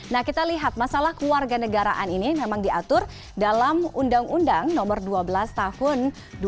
nah kita lihat masalah keluarga negaraan ini memang diatur dalam undang undang nomor dua belas tahun dua ribu dua